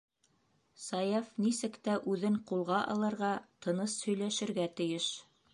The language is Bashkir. Саяф нисек тә үҙен ҡулға алырға, тыныс һөйләшергә тейеш.